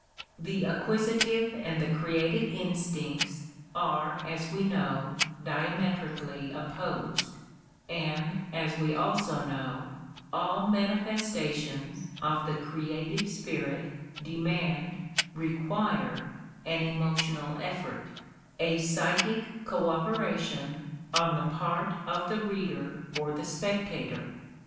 The acquisitive and the creative instincts are, as we know, diametrically opposed, and, as we also know, all mani festations of the creative spirit demand, require, an emo tional effort, a psychic cooperation, on the part of the reader or the spectator.